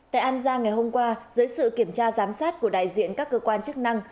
tại an giang ngày hôm qua dưới sự kiểm tra giám sát của đại diện các cơ quan chức năng